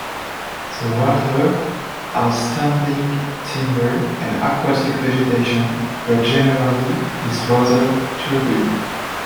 The water has standing timber and aquatic vegetation but generally is rather turbid.